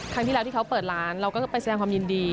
ครั้งที่แล้วที่เขาเปิดร้านเราก็ไปแสดงความยินดี